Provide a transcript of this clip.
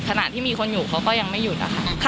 ขณะที่มีคนอยู่เขาก็ยังไม่หยุดนะคะ